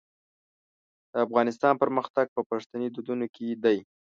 د افغانستان پرمختګ په پښتني دودونو کې دی.